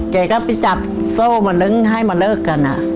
แกก็ไปจับโซ่มันหนึ่งให้มันเลิกกันอ่ะ